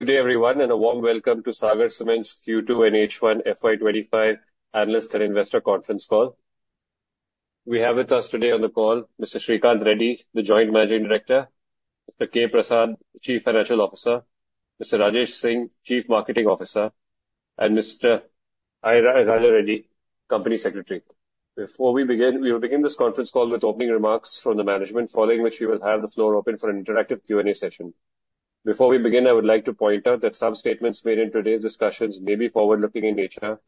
Good day everyone, and a warm welcome to Sagar Cements Q2 and H1 FY twenty-five analyst and investor conference call. We have with us today on the call Mr. Sreekanth Reddy, the Joint Managing Director, Mr. K. Prasad, the Chief Financial Officer, Mr. Rajesh Singh, Chief Marketing Officer, and Mr. R. Soundararajan, Company Secretary. Before we begin, we will begin this conference call with opening remarks from the management, following which we will have the floor open for an interactive Q&A session. Before we begin, I would like to point out that some statements made in today's discussions may be forward-looking in nature,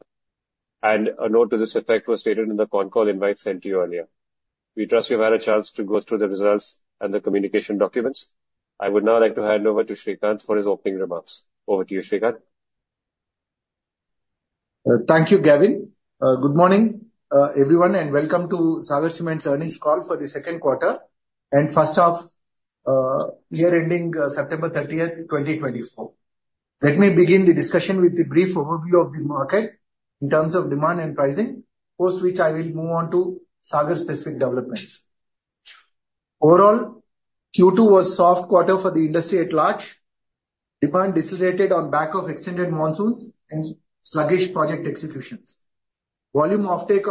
and a note to this effect was stated in the con call invite sent to you earlier. We trust you've had a chance to go through the results and the communication documents. I would now like to hand over to Sreekanth for his opening remarks. Over to you, Sreekanth. Thank you, Gavin. Good morning, everyone and welcome to Sagar Cements' earnings call for the second quarter and first half year ending September thirtieth, twenty twenty-four. Let me begin the discussion with a brief overview of the market in terms of demand and pricing, after which I will move on to Sagar-specific developments. Overall, Q2 was a soft quarter for the industry at large. Demand decelerated on back of extended monsoons and sluggish project executions. Volume offtake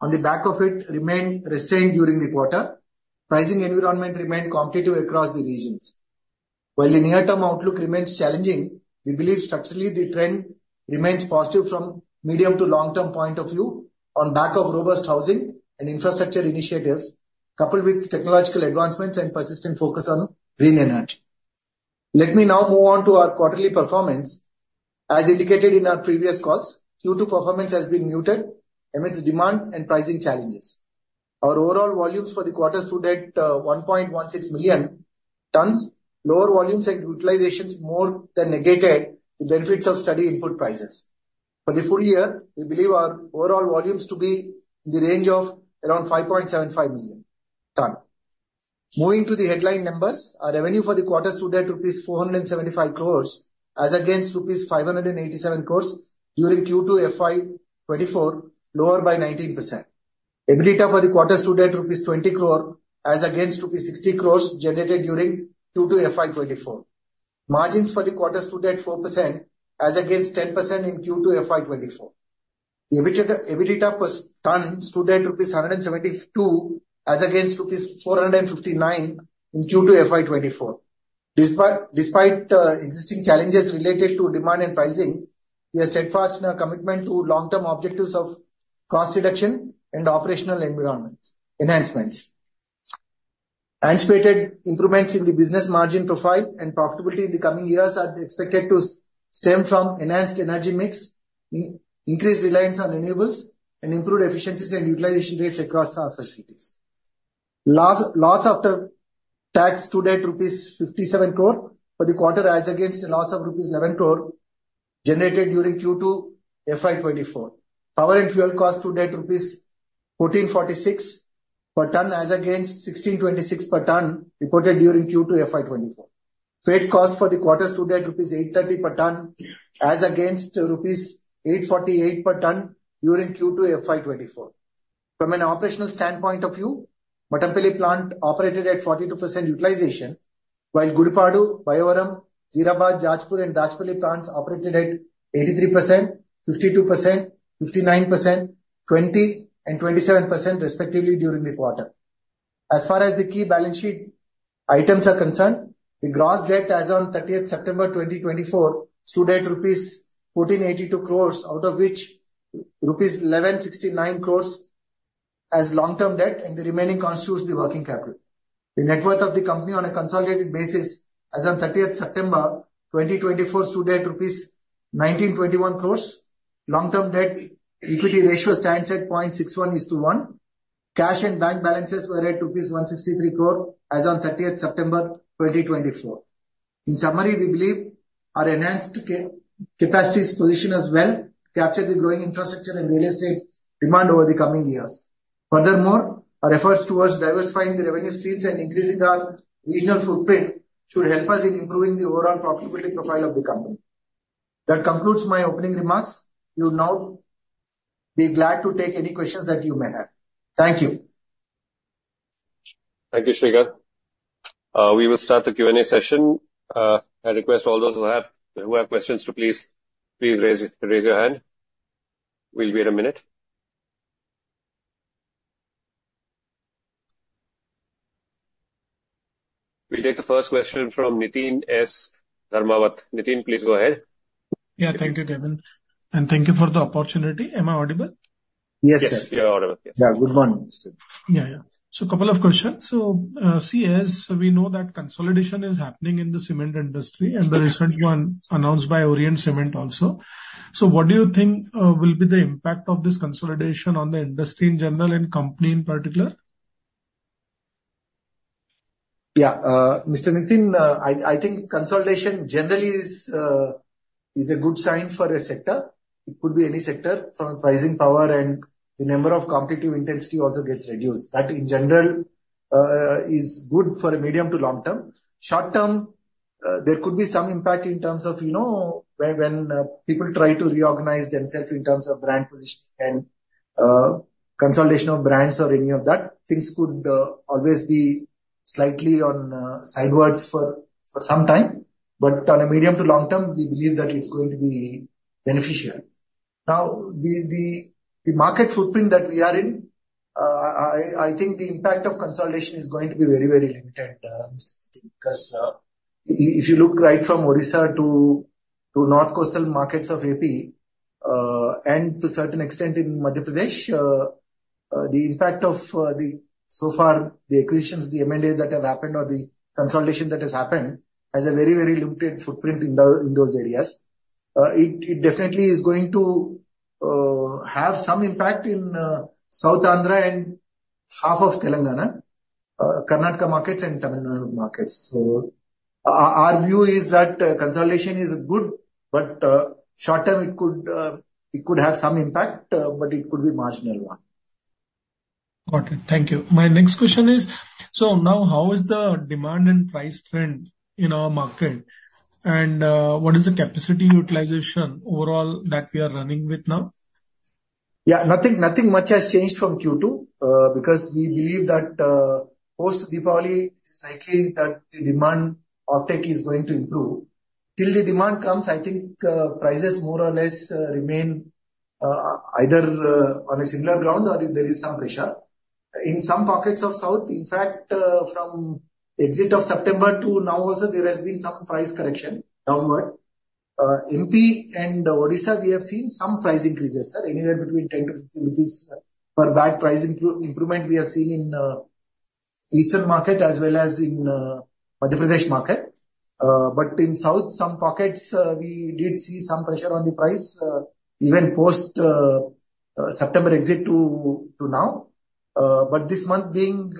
on the back of it remained restrained during the quarter. Pricing environment remained competitive across the regions. While the near-term outlook remains challenging, we believe structurally the trend remains positive from medium to long-term point of view on back of robust housing and infrastructure initiatives, coupled with technological advancements and persistent focus on green energy. Let me now move on to our quarterly performance. As indicated in our previous calls, Q2 performance has been muted amidst demand and pricing challenges. Our overall volumes for the quarter stood at 1.16 million tons. Lower volumes and utilizations more than negated the benefits of steady input prices. For the full year, we believe our overall volumes to be in the range of around 5.75 million tons. Moving to the headline numbers, our revenue for the quarter stood at rupees 475 crores, as against rupees 587 crores during Q2 FY 2024, lower by 19%. EBITDA for the quarter stood at rupees 20 crore, as against rupees 60 crores generated during Q2 FY 2024. Margins for the quarter stood at 4%, as against 10% in Q2 FY 2024. EBITDA per ton stood at rupees 172, as against rupees 459 in Q2 FY 2024. Despite existing challenges related to demand and pricing, we are steadfast in our commitment to long-term objectives of cost reduction and operational environments enhancements. Anticipated improvements in the business margin profile and profitability in the coming years are expected to stem from enhanced energy mix, increased reliance on renewables and improved efficiencies and utilization rates across our facilities. Loss after tax stood at rupees 57 crore for the quarter, as against a loss of rupees 11 crore generated during Q2 FY 2024. Power and fuel cost stood at rupees 1,446 per ton, as against 1,626 per ton reported during Q2 FY 2024. Freight cost for the quarter stood at 830 per ton, as against rupees 848 per ton during Q2 FY 2024. From an operational standpoint of view, Mattampally plant operated at 42% utilization, while Gudipadu, Bayyavaram, Jeerabad, Jajpur, and Dachepalli plants operated at 83%, 52%, 59%, 20%, and 27% respectively during the quarter. As far as the key balance sheet items are concerned, the gross debt as on thirtieth September 2024 stood at rupees 1482 crores, out of which rupees 1169 crores as long-term debt, and the remaining constitutes the working capital. The net worth of the company on a consolidated basis as on thirtieth September 2024 stood at rupees 1921 crores. Long-term debt equity ratio stands at 0.61:1. Cash and bank balances were at INR 163 crore as on thirtieth September 2024. In summary, we believe our enhanced capacities position us well to capture the growing infrastructure and real estate demand over the coming years. Furthermore, our efforts towards diversifying the revenue streams and increasing our regional footprint should help us in improving the overall profitability profile of the company. That concludes my opening remarks. We will now be glad to take any questions that you may have. Thank you. Thank you, Sreekanth. We will start the Q&A session. I request all those who have questions to please raise your hand. We'll wait a minute. We'll take the first question from Niteen Dharmawat. Nitin, please go ahead. Yeah. Thank you, Gavin, and thank you for the opportunity. Am I audible? Yes, sir. Yes, you are audible. Yeah, good morning. Yeah, yeah. So a couple of questions: So, see, as we know that consolidation is happening in the cement industry, and the recent one announced by Orient Cement also. So what do you think will be the impact of this consolidation on the industry in general and company in particular? Yeah, Mr. Nitin, I think consolidation generally is a good sign for a sector. It could be any sector from pricing power and the number of competitive intensity also gets reduced. That, in general, is good for a medium to long term. Short term, there could be some impact in terms of, you know, when people try to reorganize themselves in terms of brand position and consolidation of brands or any of that, things could always be slightly on sidewards for some time. But on a medium to long term, we believe that it's going to be beneficial. Now, the market footprint that we are in, I think the impact of consolidation is going to be very, very limited, I think, because if you look right from Orissa to north coastal markets of AP, and to certain extent in Madhya Pradesh, the impact so far of the acquisitions, the M&As that have happened or the consolidation that has happened, has a very, very limited footprint in those areas. It definitely is going to have some impact in South Andhra and half of Telangana, Karnataka markets and Telangana markets. So our view is that consolidation is good, but short term, it could have some impact, but it could be marginal one. Got it. Thank you. My next question is: So now, how is the demand and price trend in our market, and, what is the capacity utilization overall that we are running with now? Yeah, nothing, nothing much has changed from Q2, because we believe that, post Diwali, it is likely that the demand outlook is going to improve. Till the demand comes, I think, prices more or less remain, either, on a similar ground or if there is some pressure. In some pockets of south, in fact, from exit of September to now also, there has been some price correction downward. MP and Orissa, we have seen some price increases, sir, anywhere between 10-15 rupees per bag price improvement we have seen in, eastern market as well as in, Madhya Pradesh market. But in south, some pockets, we did see some pressure on the price, even post, September exit to, now. But this month being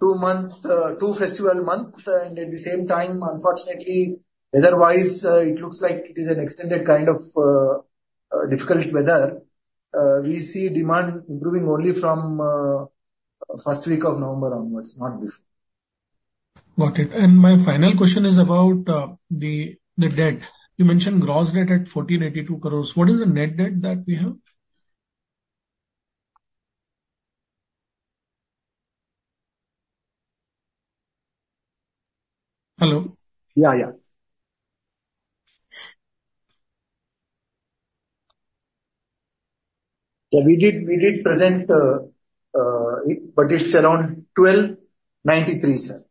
two festival month, and at the same time, unfortunately, weather-wise, it looks like it is an extended kind of difficult weather. We see demand improving only from first week of November onwards, not before. Got it. And my final question is about the debt. You mentioned gross debt at 1,482 crores. What is the net debt that we have? Hello? Yeah, yeah. Yeah, we did. We did present it, but it's around 1,293, sir.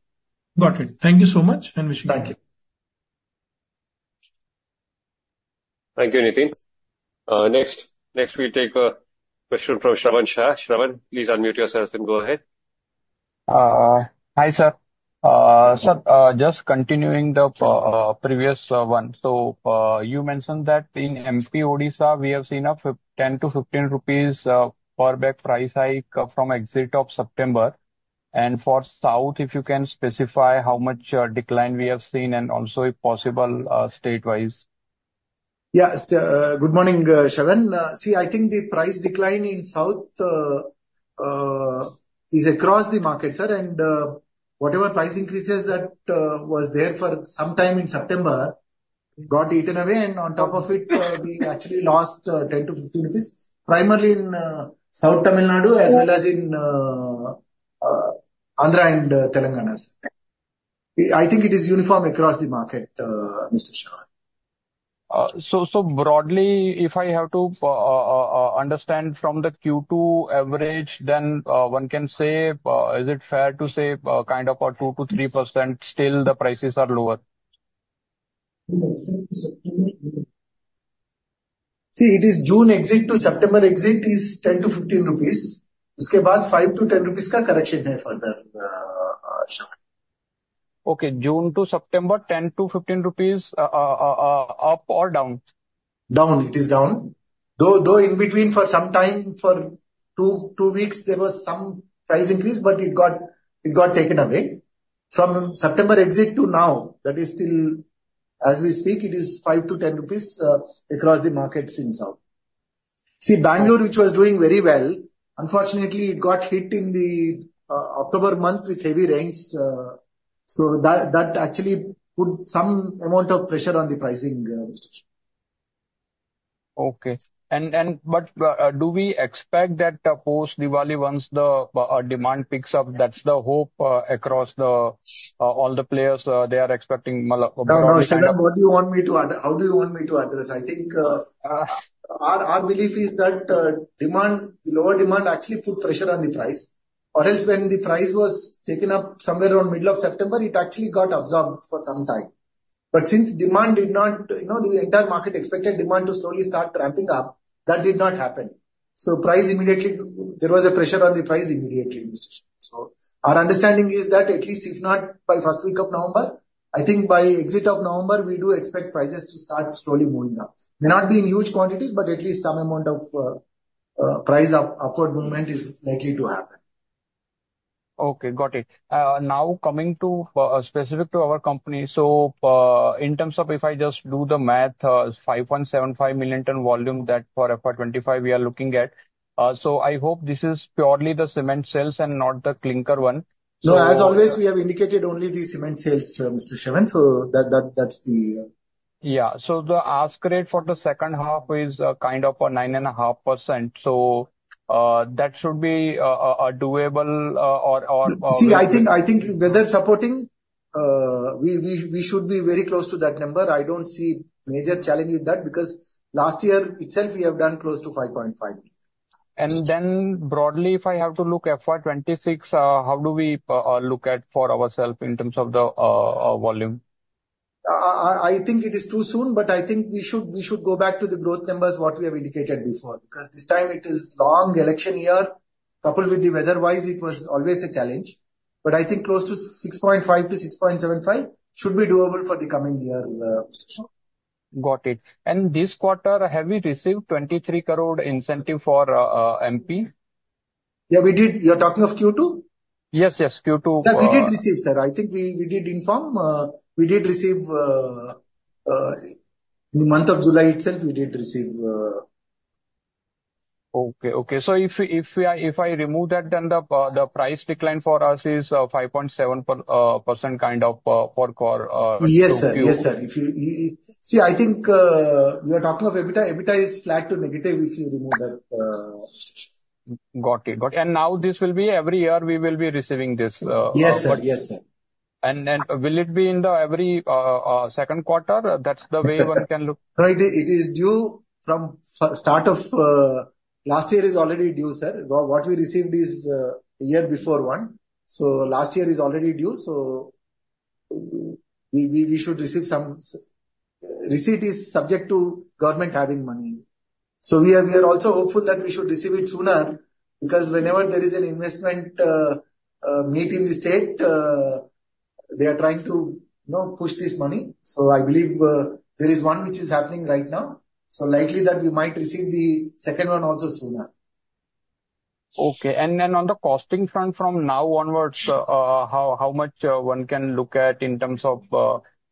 Got it. Thank you so much, and wish me- Thank you. Thank you, Nitin. Next, we take a question from Shravan Shah. Shravan, please unmute yourself and go ahead. Hi, sir. Just continuing the previous one. So, you mentioned that in MP, Odisha, we have seen a 10-15 rupees per bag price hike from exit of September. And for South, if you can specify how much decline we have seen, and also, if possible, state-wise. Yes, good morning, Shravan. See, I think the price decline in South is across the market, sir. And, whatever price increases that was there for some time in September got eaten away, and on top of it, we actually lost 10-15 rupees, primarily in South Tamil Nadu, as well as in Andhra and Telangana, sir. I think it is uniform across the market, Mr. Shravan. So broadly, if I have to understand from the Q2 average, then one can say kind of a 2%-3%, still the prices are lower? See, it is June exit to September exit is 10-15 rupees. Okay, June to September, 10-15 rupees, up or down? Down. It is down. Though, in between for some time, for two weeks, there was some price increase, but it got taken away. From September exit to now, that is still, as we speak, it is 5-10 rupees across the markets in South. See, Bangalore, which was doing very well, unfortunately, it got hit in the October month with heavy rains, so that actually put some amount of pressure on the pricing, Mr. Shravan. Okay. But do we expect that post Diwali, once the demand picks up, that's the hope across all the players, they are expecting- No, no, Shravan, what do you want me to add? How do you want me to address? I think, our belief is that, demand, the lower demand actually put pressure on the price. Or else, when the price was taken up somewhere around middle of September, it actually got absorbed for some time. But since demand did not... You know, the entire market expected demand to slowly start ramping up, that did not happen. So price immediately, there was a pressure on the price immediately, Mr. Shravan. So our understanding is that at least if not by first week of November, I think by exit of November, we do expect prices to start slowly moving up. May not be in huge quantities, but at least some amount of, price upward movement is likely to happen. Okay, got it. Now, coming to specific to our company, so, in terms of if I just do the math, 5.75 million ton volume, that for FY 2025 we are looking at, so I hope this is purely the cement sales and not the clinker one. No, as always, we have indicated only the cement sales, Mr. Shravan, so that, that, that's the, Yeah, so the ask rate for the second half is kind of a 9.5%. So, that should be a doable, or, or- See, I think weather supporting, we should be very close to that number. I don't see major challenge with that, because last year itself, we have done close to five point five. And then, broadly, if I have to look at FY 2026, how do we look at for ourself in terms of the volume? I think it is too soon, but I think we should go back to the growth numbers, what we have indicated before. Because this time it is long election year, coupled with the weather-wise, it was always a challenge. But I think close to 6.5-6.75 should be doable for the coming year. Got it. And this quarter, have you received 23 crore incentive for MP? Yeah, we did. You're talking of Q2? Yes, yes, Q2. Sir, we did receive, sir. I think we did inform. We did receive in the month of July itself. Okay. So if we, if I remove that, then the price decline for us is 5.7% kind of for core. Yes, sir. Yes, sir. If you see, I think you are talking of EBITDA. EBITDA is flat to negative, if you remove that. Got it. Got it. And now, this will be every year we will be receiving this, Yes, sir. Yes, sir. Will it be in every second quarter? That's the way one can look? No, it is due from start of last year already, sir. What we received is year before one, so last year is already due, so we should receive some. Receipt is subject to government having money. We are also hopeful that we should receive it sooner, because whenever there is an investment made in the state, they are trying to, you know, push this money. I believe there is one which is happening right now, so likely that we might receive the second one also sooner. Okay. And then, on the costing front, from now onwards, how much one can look at in terms of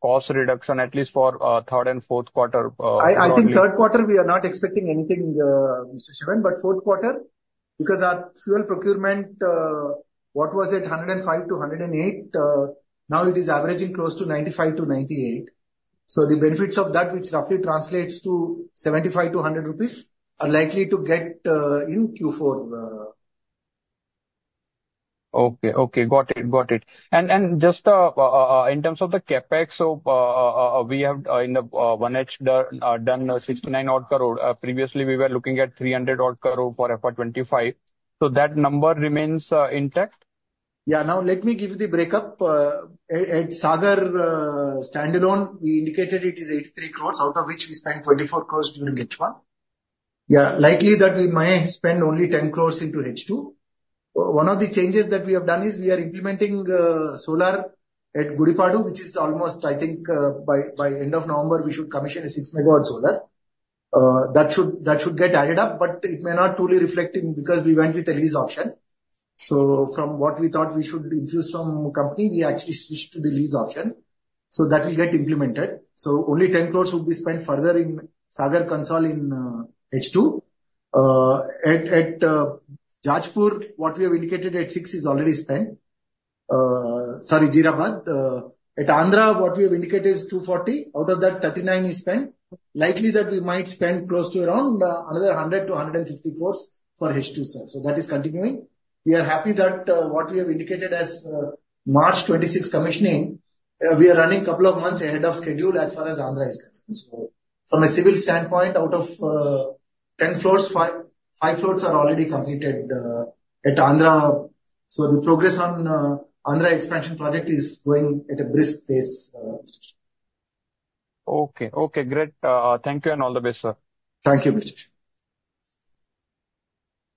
cost reduction, at least for third and fourth quarter. I think third quarter, we are not expecting anything, Mr. Shravan, but fourth quarter, because our fuel procurement, what was it? 105-108, now it is averaging close to 95-98. So the benefits of that, which roughly translates to 75-100 rupees, are likely to get in Q4. Okay. Got it. Just in terms of the CapEx, so we have in the H1 done 69 crore. Previously, we were looking at 300 crore for FY25. So that number remains intact? Yeah. Now, let me give you the breakup. At Sagar standalone, we indicated it is 83 crores, out of which we spent 24 crores during H1. Yeah, likely that we may spend only 10 crores into H2. One of the changes that we have done is we are implementing solar at Gudipadu, which is almost, I think, by end of November, we should commission a six megawatt solar. That should get added up, but it may not truly reflect in, because we went with a lease option. So from what we thought, we should infuse some company, we actually switched to the lease option. So that will get implemented. So only 10 crores will be spent further in Sagar Consol in H2. At Jajpur, what we have indicated at six is already spent. Sorry, Jeerabad. At Andhra, what we have indicated is 240. Out of that, 39 is spent. Likely that we might spend close to around another 100-150 crores for H2, sir, so that is continuing. We are happy that what we have indicated as March 2026 commissioning, we are running a couple of months ahead of schedule as far as Andhra is concerned, so from a civil standpoint, out of 10 floors, 5 floors are already completed at Andhra. So the progress on the Andhra expansion project is going at a brisk pace. Okay. Okay, great. Thank you, and all the best, sir. Thank you, Mr. Siva.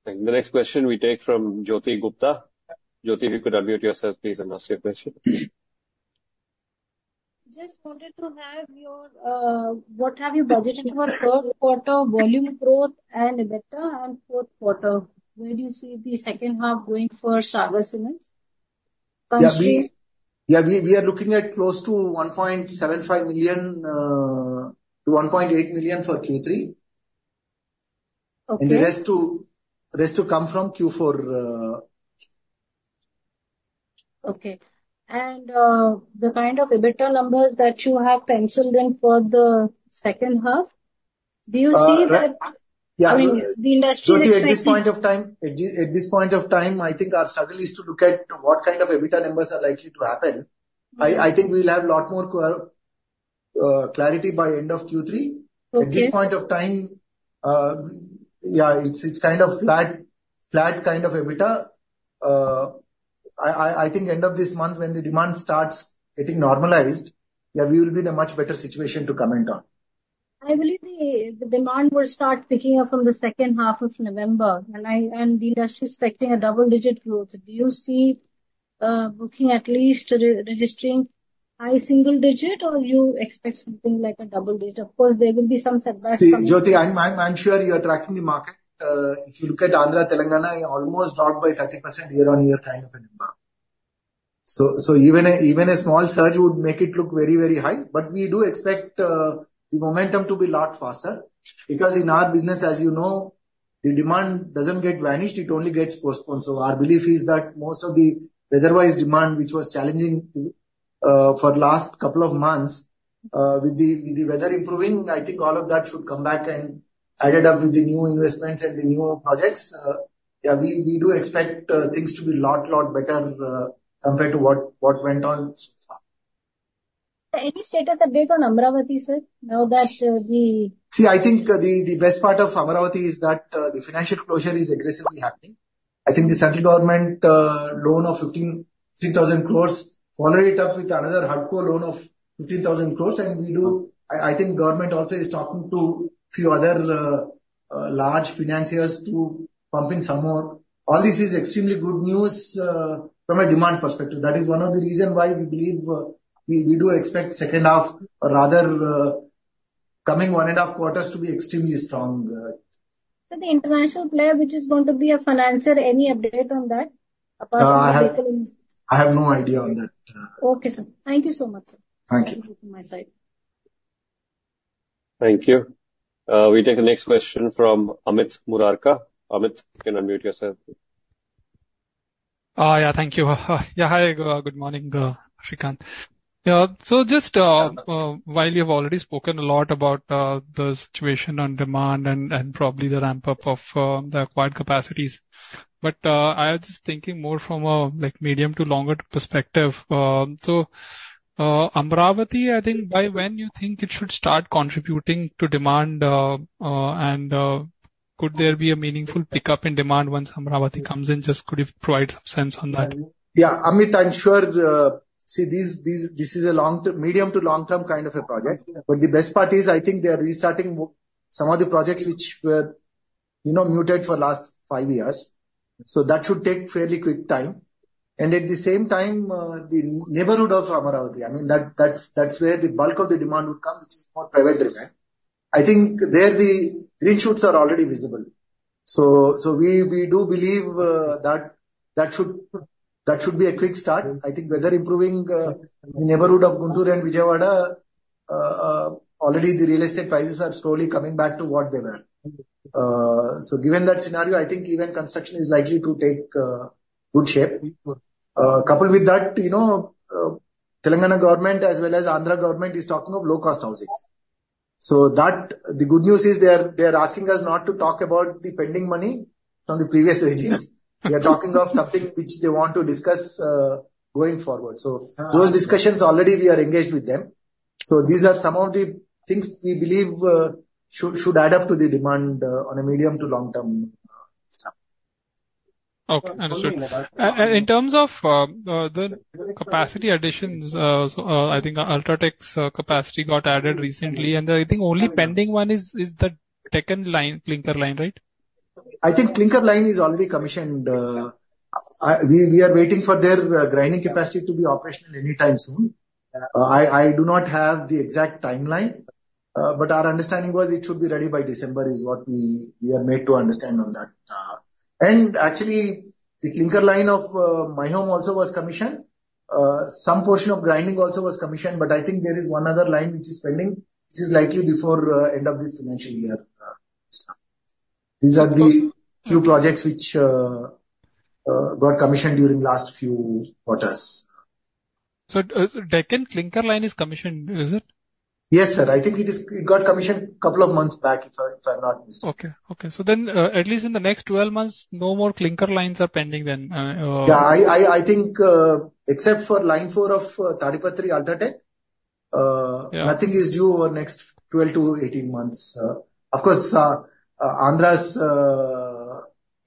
The next question we take from Jyoti Gupta. Jyoti, if you could unmute yourself, please, and ask your question. Just wanted to have your, what have you budgeted for third quarter volume growth and EBITDA and fourth quarter? Where do you see the second half going for Sagar Cements? Yeah, we are looking at close to 1.75 million to 1.8 million for Q3. Okay. And the rest two come from Q4... Okay. And the kind of EBITDA numbers that you have penciled in for the second half, do you see that? Uh, yeah. I mean, the industry expects- Jyoti, at this point of time, I think our struggle is to look at what kind of EBITDA numbers are likely to happen I think we will have a lot more clarity by end of Q3. Okay. At this point of time, yeah, it's kind of flat kind of EBITDA. I think end of this month, when the demand starts getting normalized, yeah, we will be in a much better situation to comment on. I believe the demand will start picking up from the second half of November, and the industry is expecting a double-digit growth. Do you see booking at least re-registering high single digit, or you expect something like a double digit? Of course, there will be some setback, some- See, Jyoti, I'm sure you are tracking the market. If you look at Andhra, Telangana, almost dropped by 30% year-on-year kind of an environment. So even a small surge would make it look very, very high. But we do expect the momentum to be a lot faster, because in our business, as you know, the demand doesn't get vanished, it only gets postponed. So our belief is that most of the weather-wise demand, which was challenging, for the last couple of months with the weather improving, I think all of that should come back and added up with the new investments and the new projects. Yeah, we do expect things to be a lot better compared to what went on so far. Any status update on Amaravati, sir, now that the- See, I think the best part of Amaravati is that the financial closure is aggressively happening. I think the central government loan of 3,000 crores, followed it up with another hardcore loan of 15,000 crores, and I think government also is talking to few other large financiers to pump in some more. All this is extremely good news from a demand perspective. That is one of the reason why we believe we do expect second half, rather, coming one and a half quarters to be extremely strong. But the international player, which is going to be a financier, any update on that, apart from the- I have no idea on that. Okay, sir. Thank you so much, sir. Thank you. That's it from my side. Thank you. We take the next question from Amit Murarka. Amit, you can unmute yourself. Yeah, thank you. Yeah, hi, good morning, Sreekanth. Yeah, so just, while you've already spoken a lot about the situation on demand and probably the ramp-up of the acquired capacities, but I was just thinking more from a, like, medium to longer perspective. So, Amaravati, I think by when you think it should start contributing to demand, and could there be a meaningful pickup in demand once Amaravati comes in? Just could you provide some sense on that? Yeah, Amit, I'm sure, see, this is a long-term, medium to long-term kind of a project. Right. But the best part is, I think they are restarting some of the projects which were, you know, muted for last five years. So that should take fairly quick time. And at the same time, the neighborhood of Amaravati, I mean, that's where the bulk of the demand would come, which is more private driven. I think there, the green shoots are already visible. So we do believe that that should be a quick start. I think weather improving, the neighborhood of Guntur and Vijayawada already the real estate prices are slowly coming back to what they were. Thank you. So given that scenario, I think even construction is likely to take good shape. Mm-hmm. Coupled with that, you know, Telangana government, as well as Andhra government, is talking of low-cost houses. So that, the good news is they are asking us not to talk about the pending money from the previous regimes. They are talking of something which they want to discuss, going forward. So- Uh. Those discussions already we are engaged with them. So these are some of the things we believe should add up to the demand on a medium to long-term stuff. Okay, understood. And in terms of the capacity additions, so, I think UltraTech's capacity got added recently, and I think only pending one is the second line, clinker line, right? I think clinker line is already commissioned. We are waiting for their grinding capacity to be operational anytime soon. I do not have the exact timeline, but our understanding was it should be ready by December, is what we are made to understand on that, and actually, the clinker line of My Home also was commissioned. Some portion of grinding also was commissioned, but I think there is one other line which is pending, which is likely before end of this financial year. These are the few projects which got commissioned during last few quarters. Deccan clinker line is commissioned, is it? Yes, sir. I think it is. It got commissioned a couple of months back, if I, if I'm not mistaken. Okay. So then, at least in the next twelve months, no more clinker lines are pending then. Yeah, I think, except for line four of Tadipatri UltraTech. Yeah nothing is due over next twelve to eighteen months. Of course, Andhra's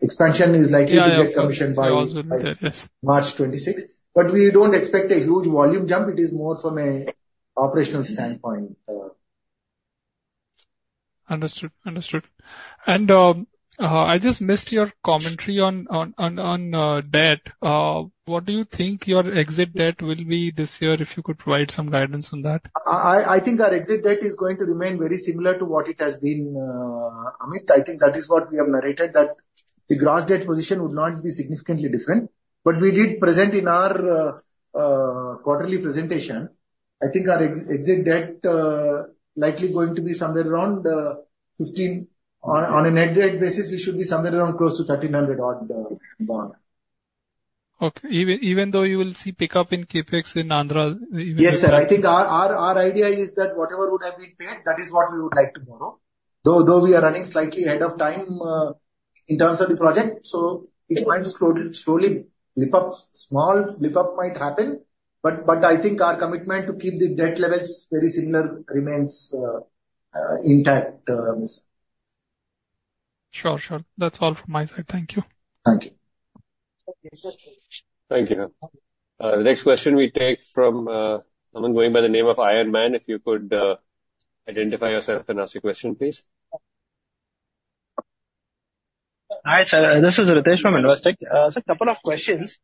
expansion is likely- Yeah, yeah. to get commissioned by- Yes. March twenty-six, but we don't expect a huge volume jump. It is more from an operational standpoint. Understood. Understood. I just missed your commentary on debt. What do you think your exit debt will be this year, if you could provide some guidance on that? I think our exit debt is going to remain very similar to what it has been, Amit. I think that is what we have narrated, that the gross debt position would not be significantly different. But we did present in our quarterly presentation. I think our exit debt likely going to be somewhere around 1,500 crore. On a net debt basis, we should be somewhere around close to 1,300-odd crore. Okay. Even though you will see pickup in CapEx in Andhra, even- Yes, sir. I think our idea is that whatever would have been paid, that is what we would like to borrow. Though we are running slightly ahead of time in terms of the project, so it might slowly blip up, small blip up might happen, but I think our commitment to keep the debt levels very similar remains intact, Mr. Sure, sure. That's all from my side. Thank you. Thank you. Thank you. Next question we take from someone going by the name of Ironman. If you could identify yourself and ask your question, please. Hi, sir. This is Ritesh from Investec. Sir, couple of questions.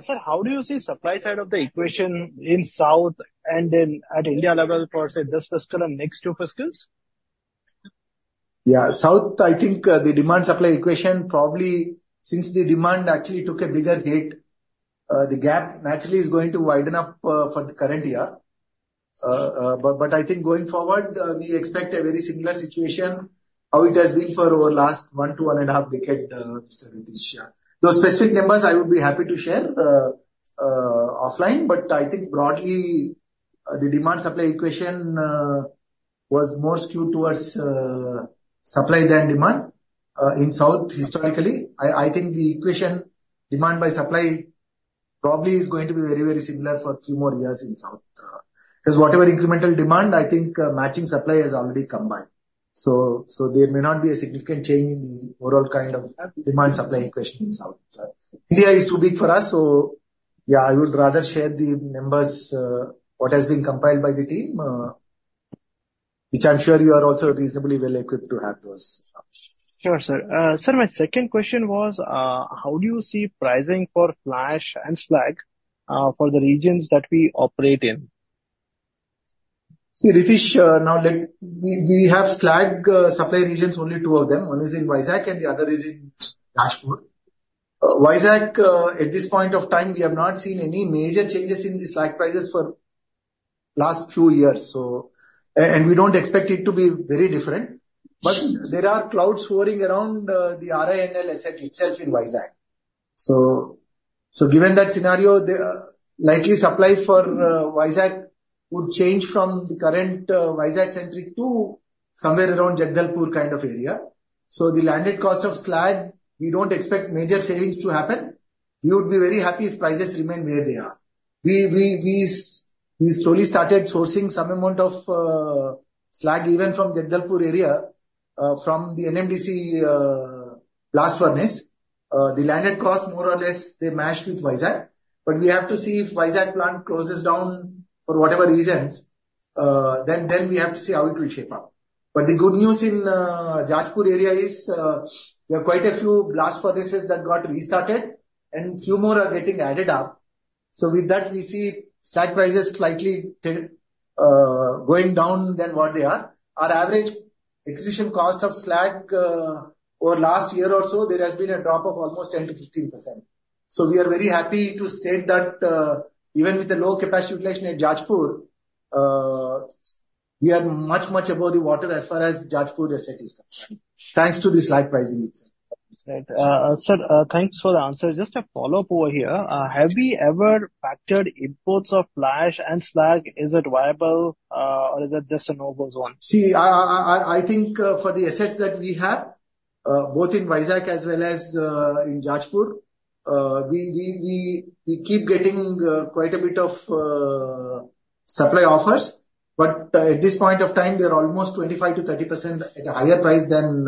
Sir, how do you see supply side of the equation in South India and at India level for, say, this fiscal and next two fiscals? Yeah. South, I think, the demand-supply equation, probably since the demand actually took a bigger hit, the gap naturally is going to widen up, for the current year. But I think going forward, we expect a very similar situation, how it has been for over last one to one and a half decade, Mr. Ritesh. Those specific numbers I would be happy to share, offline, but I think broadly, the demand-supply equation, was more skewed towards, supply than demand, in South historically. I think the equation, demand by supply, probably is going to be very, very similar for a few more years in South. Because whatever incremental demand, I think, matching supply has already come by. There may not be a significant change in the overall kind of demand-supply equation in South India. India is too big for us, so yeah, I would rather share the numbers, what has been compiled by the team, which I'm sure you are also reasonably well equipped to have those. Sure, sir. Sir, my second question was, how do you see pricing for fly ash and slag, for the regions that we operate in? See, Ritesh, now we have slag supply regions, only two of them. One is in Vizag, and the other is in Jajpur. Vizag, at this point of time, we have not seen any major changes in the slag prices for last few years. So and we don't expect it to be very different. But there are clouds hovering around, the RINL asset itself in Vizag. So given that scenario, the likely supply for Vizag would change from the current Vizag centric to somewhere around Jagdalpur kind of area. So the landed cost of slag, we don't expect major savings to happen. We would be very happy if prices remain where they are. We slowly started sourcing some amount of slag even from Jagdalpur area, from the NMDC blast furnace. The landed cost, more or less, they matched with Vizag. But we have to see if Vizag plant closes down for whatever reasons, then we have to see how it will shape up. But the good news in Jajpur area is, there are quite a few blast furnaces that got restarted, and a few more are getting added up. So with that, we see slag prices slightly going down than what they are. Our average acquisition cost of slag, over last year or so, there has been a drop of almost 10%-15%. So we are very happy to state that, even with the low capacity utilization at Jajpur, we are much, much above the water as far as Jajpur asset is concerned, thanks to the slag pricing itself. Right. Sir, thanks for the answer. Just a follow-up over here. Have we ever factored imports of fly ash and slag? Is it viable, or is it just a no-go zone? See, I think for the assets that we have both in Vizag as well as in Jajpur, we keep getting quite a bit of supply offers, but at this point of time, they're almost 25%-30% at a higher price than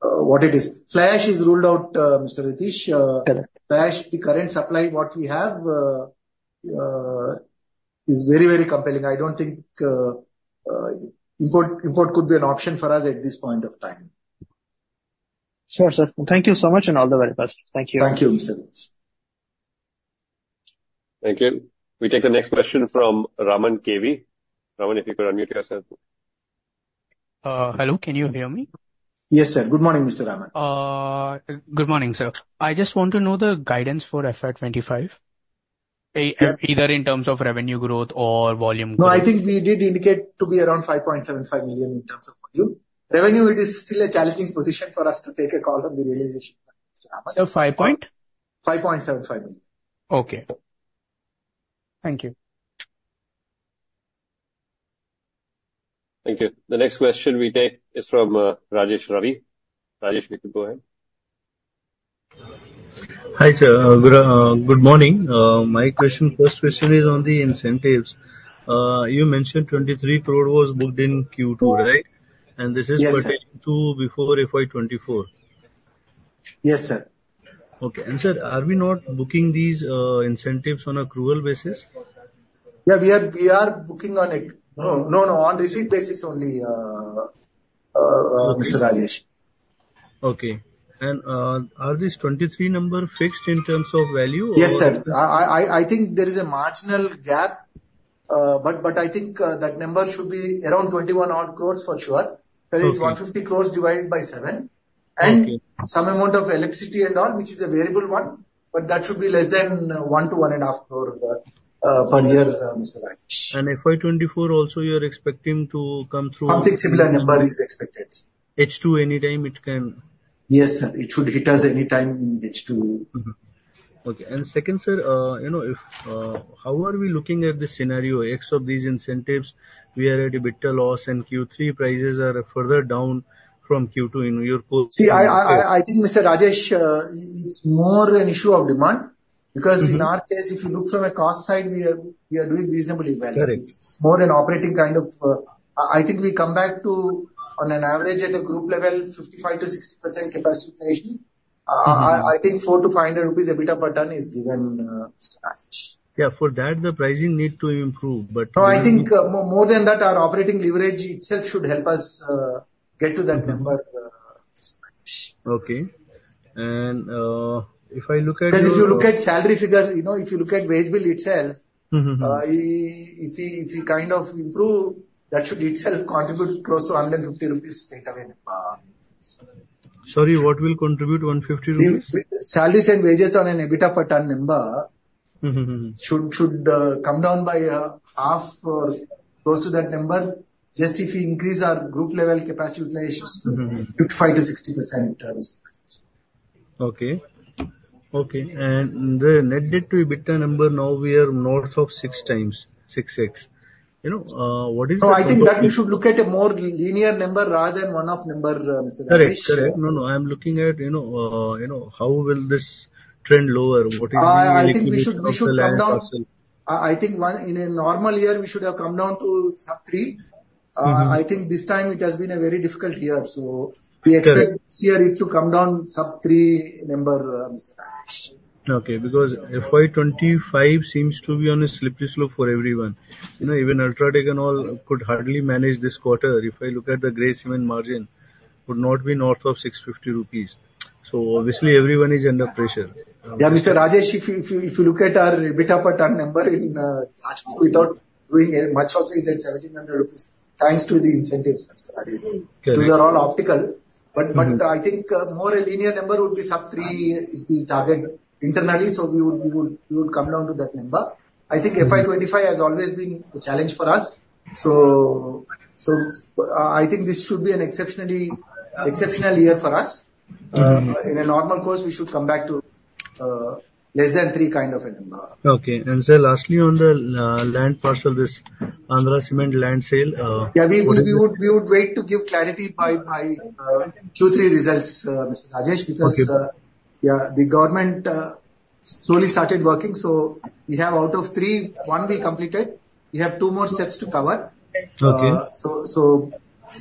what it is. Fly ash is ruled out, Mr. Ritesh. Correct. Fly Ash, the current supply, what we have, is very, very compelling. I don't think import could be an option for us at this point of time. Sure, sir. Thank you so much, and all the very best. Thank you. Thank you, Mr. Ritesh. Thank you. We take the next question from Raman KV. Raman, if you could unmute yourself. Hello, can you hear me? Yes, sir. Good morning, Mr. Raman. Good morning, sir. I just want to know the guidance for FY 2025, either in terms of revenue growth or volume growth. No, I think we did indicate to be around 5.75 million in terms of volume. Revenue, it is still a challenging position for us to take a call on the realization, Mr. Raman. So five point? 5.75 million. Okay. Thank you. Thank you. The next question we take is from Rajesh Ravi. Rajesh, you can go ahead. Hi, sir. Good morning. My first question is on the incentives. You mentioned 23 crore was booked in Q2, right? Yes, sir. This is pertaining to before FY 2024. Yes, sir. Okay. And, sir, are we not booking these incentives on accrual basis? Yeah, we are booking on a No, no, on receipt basis only, Mr. Rajesh. Okay, and are this 23 number fixed in terms of value or? Yes, sir. I think there is a marginal gap, but I think that number should be around 21 odd crores for sure. Okay. That is 150 crores divided by seven. Okay. Some amount of electricity and all, which is a variable one, but that should be less than 1-1.5 crore per year, Mr. Rajesh. FY 2024 also, you're expecting to come through Something similar number is expected. It's to anytime it can Yes, sir, it should hit us any time in H2. Mm-hmm. Okay, and second, sir, you know, if how are we looking at the scenario X of these incentives? We are at EBITDA loss, and Q3 prices are further down from Q2 in your pool. See, I think, Mr. Rajesh, it's more an issue of demand. Because in our case, if you look from a cost side, we are doing reasonably well. Correct. It's more an operating kind of. I think we come back to, on an average, at a group level, 55%-60% capacity utilization. I think 400-500 rupees EBITDA per ton is given, Mr. Rajesh. Yeah, for that, the pricing need to improve, but No, I think, more, more than that, our operating leverage itself should help us get to that number, Mr. Rajesh. Okay. And, if I look at- Because if you look at salary figures, you know, if you look at wage bill itself if we kind of improve, that should itself contribute close to 150 rupees straight away. Sorry, what will contribute 150 rupees? If salaries and wages on an EBITDA per ton number should come down by half or close to that number, just if we increase our group level capacity utilizations 55%-60%. Okay. Okay, and the net debt to EBITDA number, now we are north of six times, six X. You know, what is- No, I think that you should look at a more linear number rather than one-off number, Mr. Rajesh. Correct. Correct. No, no, I'm looking at, you know, you know, how will this trend lower? What is the- I think we should come down. I think in a normal year, we should have come down to sub three. I think this time it has been a very difficult year, so- Correct. We expect this year it to come down sub three number, Mr. Rajesh. Okay, because FY twenty-five seems to be on a slippery slope for everyone. You know, even UltraTech and all could hardly manage this quarter. If I look at the gray cement margin, would not be north of 650 rupees. So obviously, everyone is under pressure. Yeah, Mr. Rajesh, if you look at our EBITDA per ton number in Jajpur, without doing much also, is at INR 1,700, thanks to the incentives, Mr. Rajesh. Correct. These are all optical. I think more a linear number would be sub three is the target internally, so we would come down to that number. I think FY twenty-five has always been a challenge for us. So I think this should be an exceptionally exceptional year for us. In a normal course, we should come back to less than three kind of a number. Okay. And sir, lastly, on the land parcel, this Andhra Cements land sale. Yeah, we would wait to give clarity by Q3 results, Mr. Rajesh. Okay. Because, yeah, the government slowly started working, so we have out of three, one we completed, we have two more steps to cover. Okay. So,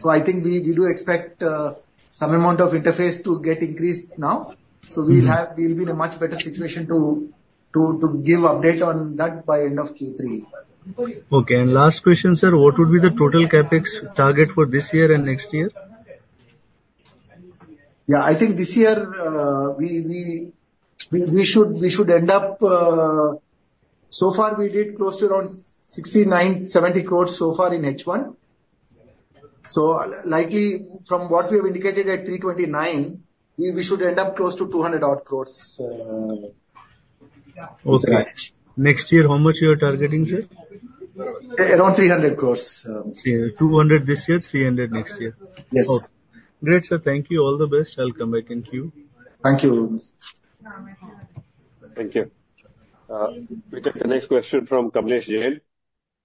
I think we do expect some amount of infrastructure to get increased now. We'll be in a much better situation to give update on that by end of Q3. Okay. And last question, sir: What would be the total CapEx target for this year and next year? Yeah, I think this year we should end up. So far we did close to around INR 69-70 crores so far in H1. So likely, from what we have indicated at 329, we should end up close to 200-odd crores, Mr. Rajesh. Okay. Next year, how much you are targeting, sir? Around 300 crore. 200 this year, 300 next year. Yes. Okay. Great, sir. Thank you. All the best. I'll come back in queue. Thank you. Thank you. We take the next question from Kamlesh Jain.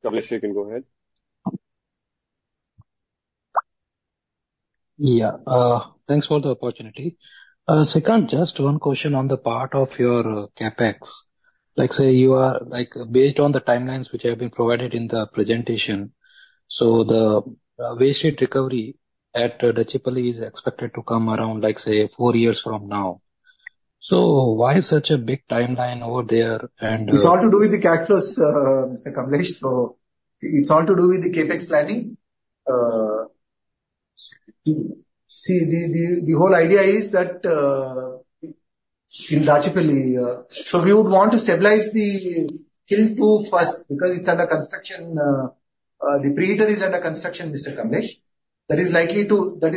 Kamlesh, you can go ahead. Yeah. Thanks for the opportunity. Second, just one question on the part of your CapEx. Like, say, you are, like based on the timelines which have been provided in the presentation, so the waste heat recovery at Dachepalli is expected to come around, like, say, four years from now. So why such a big timeline over there, and. It's all to do with the cash flow, Mr. Kamlesh, so it's all to do with the CapEx planning. See, the whole idea is that, in Dachepalli, so we would want to stabilize the kiln two first, because it's under construction, the preheater is under construction, Mr. Kamlesh. That is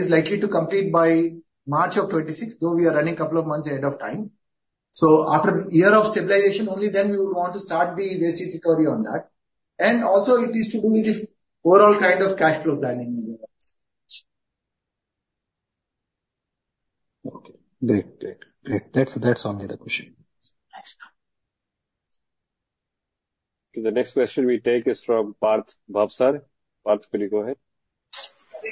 likely to complete by March 2026, though we are running a couple of months ahead of time. So after a year of stabilization, only then we would want to start the waste heat recovery on that. And also it is to do with the overall kind of cash flow planning. Okay. Great, great, great. That's, that's all my other question. Thanks. The next question we take is from Parth Bhavsar. Parth, you may go ahead.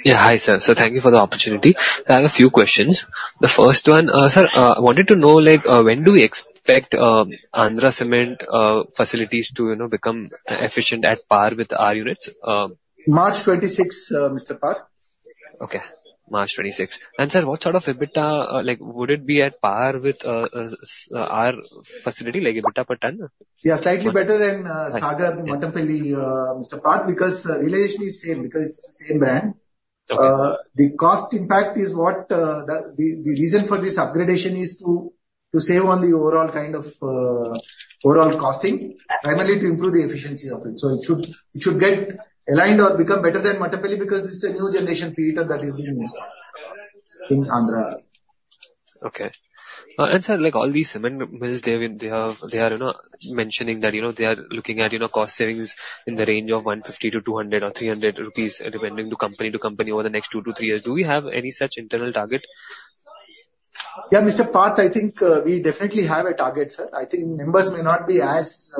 Yeah, hi, sir. So thank you for the opportunity. I have a few questions. The first one, sir, I wanted to know, like, when do we expect Andhra Cements facilities to, you know, become efficient at par with our units? March twenty-six, Mr. Parth. Okay, March twenty-six. And sir, what sort of EBITDA, like, would it be at par with our facility, like EBITDA per ton? Yeah, slightly better than Sagar and Mattampally, Mr. Parth, because realization is same, because it's the same brand. Okay. The cost impact is what, the reason for this upgradation is to save on the overall kind of overall costing, primarily to improve the efficiency of it, so it should get aligned or become better than Mattampally, because this is a new generation preheater that is being used in Andhra. Okay. And, sir, like all these cement mills, they are, you know, mentioning that, you know, they are looking at, you know, cost savings in the range of 150-200 or 300 rupees, depending to company to company, over the next two to three years. Do we have any such internal target? Yeah, Mr. Parth, I think we definitely have a target, sir. I think numbers may not be as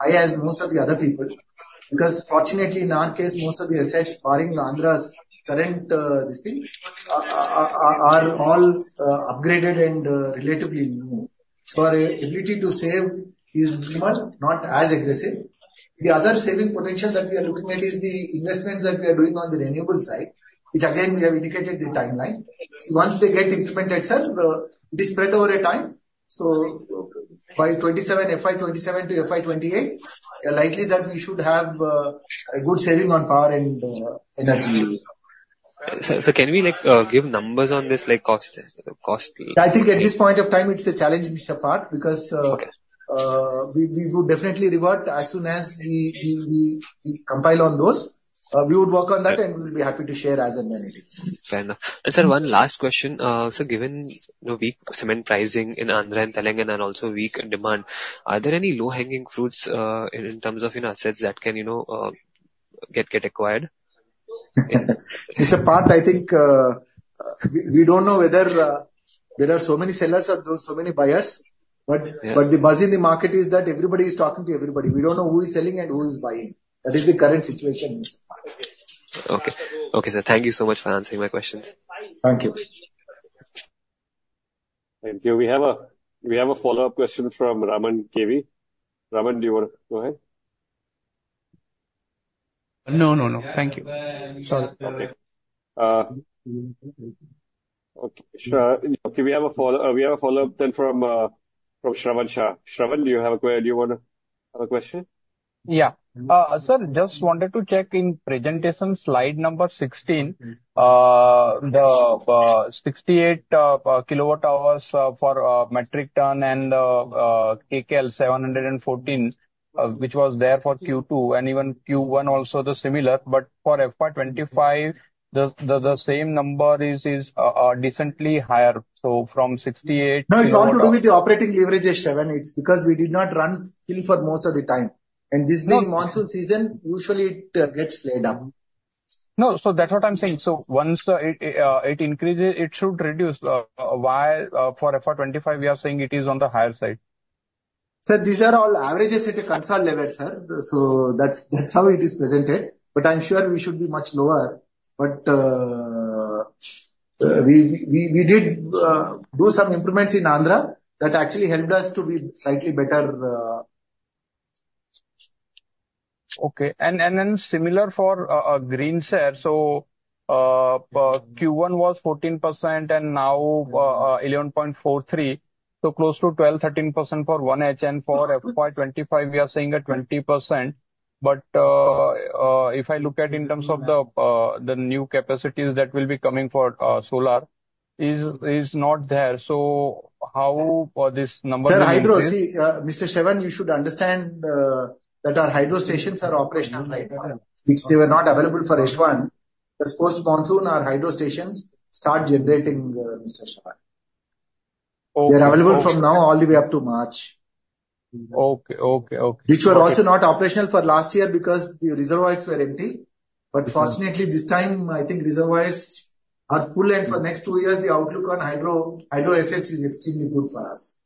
high as most of the other people, because fortunately, in our case, most of the assets barring Andhra's current this thing are all upgraded and relatively new. So our ability to save is minimal, not as aggressive. The other saving potential that we are looking at is the investments that we are doing on the renewable side, which again, we have indicated the timeline. Once they get implemented, sir, it is spread over a time. So- Okay. By 2027, FY 2027 to FY 2028, likely that we should have a good saving on power and energy. Mm-hmm. Sir, sir, can we, like, give numbers on this, like, cost, cost? I think at this point of time, it's a challenge, Mr. Parth, because, Okay. We would definitely revert as soon as we compile on those. We would work on that, and we'll be happy to share as and when ready. Fair enough. And, sir, one last question. So given the weak cement pricing in Andhra and Telangana, and also weak demand, are there any low-hanging fruits in terms of, you know, assets that can, you know, get acquired? Mr. Parth, I think, we don't know whether there are so many sellers or there are so many buyers. Yeah. But the buzz in the market is that everybody is talking to everybody. We don't know who is selling and who is buying. That is the current situation. Okay. Okay, sir. Thank you so much for answering my questions. Thank you. Thank you. We have a follow-up question from Raman KV. Raman, do you want to go ahead? No, no, no. Thank you. Sorry. Okay. Okay, sure. Okay, we have a follow-up then from Shravan Shah. Shravan, do you have a que- do you want to have a question? Yeah. Sir, just wanted to check in presentation, slide number 16, the 68 kilowatt hours for metric ton and kcal 714, which was there for Q2, and even Q1 also the similar, but for FY25, the same number is decently higher. So from 68- No, it's all to do with the operating leverages, Shravan. It's because we did not run full for most of the time. No- And this being monsoon season, usually it gets played up. No, so that's what I'm saying. So once it increases, it should reduce while for FY 2025, we are saying it is on the higher side. Sir, these are all averages at a consolidated level, sir, so that's how it is presented. But I'm sure we should be much lower. But we did do some improvements in Andhra that actually helped us to be slightly better. Okay. And similar for green share. So Q1 was 14%, and now 11.43%. So close to 12-13% for 1H. And for FY25, we are saying a 20%. But if I look at in terms of the new capacities that will be coming for solar is not there. So how this number- Sir, hydro. See, Mr. Shravan, you should understand that our hydro stations are operational right now, which they were not available for H1. Because post-monsoon, our hydro stations start generating, Mr. Shravan. Okay. They are available from now all the way up to March. Okay, okay, okay. Which were also not operational for last year because the reservoirs were empty. But fortunately, this time, I think reservoirs are full, and for next two years, the outlook on hydro, hydro assets is extremely good for us.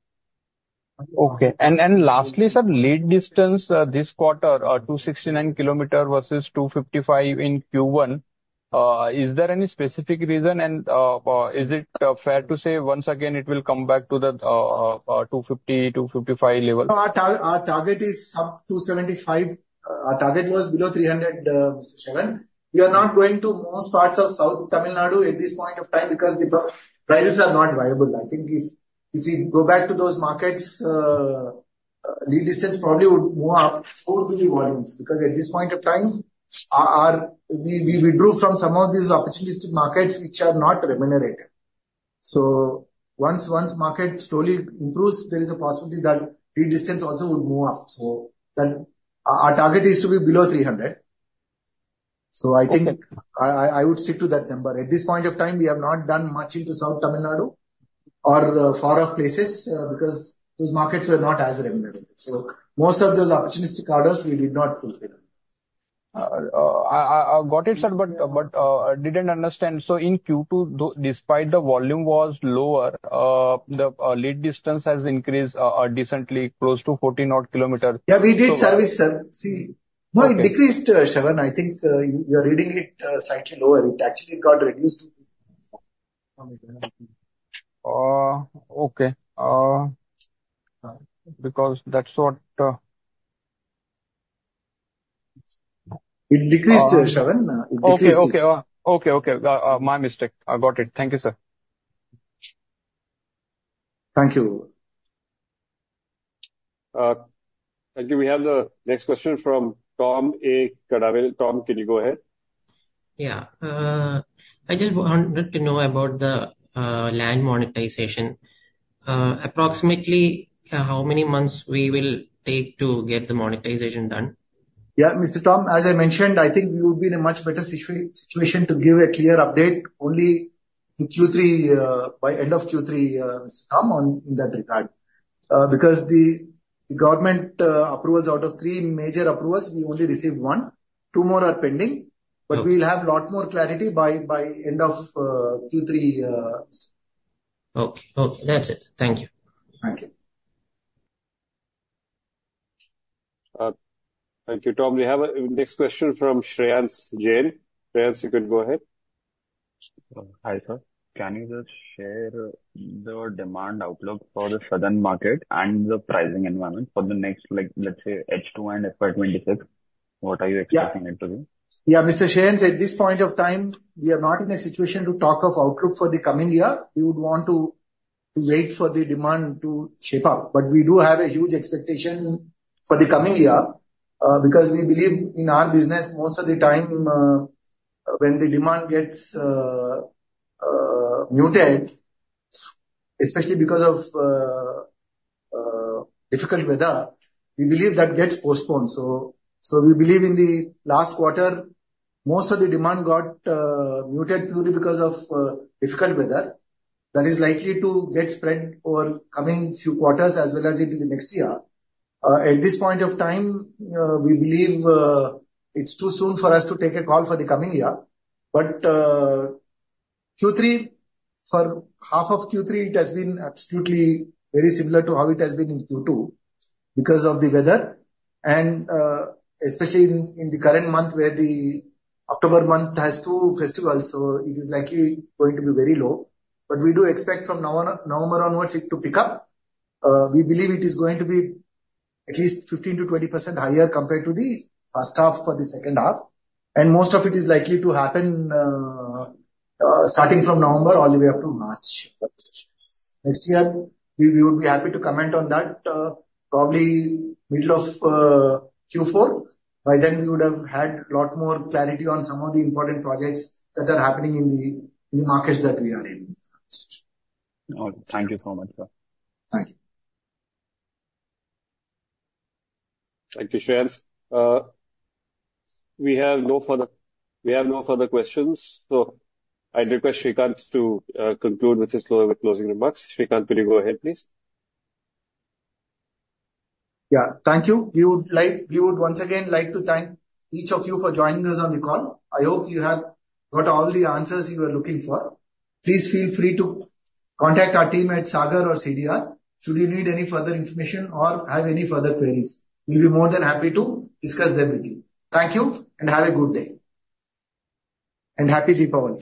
Okay. And lastly, sir, lead distance this quarter, 269 km versus 255 in Q1, is there any specific reason? And is it fair to say once again it will come back to the 255 level? No, our target is sub 275. Our target was below 300, Mr. Shravan. We are not going to most parts of South Tamil Nadu at this point of time because the prices are not viable. I think if we go back to those markets, lead distance probably would move up more to the volumes, because at this point of time, we withdrew from some of these opportunistic markets which are not remunerative. So once market slowly improves, there is a possibility that lead distance also would move up. So then, our target is to be below 300. Okay. I think I would stick to that number. At this point of time, we have not done much into South Tamil Nadu or the far off places, because those markets were not as remunerative. Most of those opportunistic orders, we did not fulfill. I got it, sir, but I didn't understand. In Q2, though, despite the volume was lower, the lead distance has increased decently, close to fourteen odd kilometer. Yeah, we did service, sir. See... Okay. No, it decreased, Shravan. I think, you, you're reading it slightly lower. It actually got reduced. Okay. Because that's what... It decreased, Shravan. It decreased. Okay, okay. Okay, okay. My mistake. I got it. Thank you, sir. Thank you. Thank you. We have the next question from Thoma Kadavil. Tom, can you go ahead? Yeah. I just wanted to know about the, land monetization. Approximately, how many months we will take to get the monetization done? Yeah, Mr. Tom, as I mentioned, I think we would be in a much better situation to give a clear update only in Q3, by end of Q3, Mr. Tom, on, in that regard. Because the government approvals, out of three major approvals, we only received one. Two more are pending. Okay. But we'll have a lot more clarity by end of Q3. Okay. Okay, that's it. Thank you. Thank you. Thank you, Tom. We have the next question from Shreyans Jain. Shreyans, you can go ahead. Hi, sir. Can you just share the demand outlook for the southern market and the pricing environment for the next, like, let's say, H2 and FY 2026? What are you expecting it to be? Yeah. Yeah, Mr. Shreyans, at this point of time, we are not in a situation to talk of outlook for the coming year. We would want to wait for the demand to shape up. But we do have a huge expectation for the coming year, because we believe in our business, most of the time, when the demand gets muted, especially because of difficult weather, we believe that gets postponed. So we believe in the last quarter, most of the demand got muted purely because of difficult weather. That is likely to get spread over coming few quarters as well as into the next year. At this point of time, we believe it's too soon for us to take a call for the coming year, but Q3 for half of Q3, it has been absolutely very similar to how it has been in Q2 because of the weather, and especially in the current month, where the October month has two festivals, so it is likely going to be very low. But we do expect from November onwards, it to pick up. We believe it is going to be at least 15%-20% higher compared to the first half or the second half, and most of it is likely to happen starting from November all the way up to March. Next year, we would be happy to comment on that, probably middle of Q4. By then, we would have had a lot more clarity on some of the important projects that are happening in the markets that we are in. All right. Thank you so much. Thank you. Thank you, Shreyans. We have no further questions, so I request Sreekanth to conclude with his closing remarks. Sreekanth, will you go ahead, please? Yeah, thank you. We would like, we would once again like to thank each of you for joining us on the call. I hope you have got all the answers you were looking for. Please feel free to contact our team at Sagar or CDR should you need any further information or have any further queries. We'll be more than happy to discuss them with you. Thank you, and have a good day, and Happy Deepavali!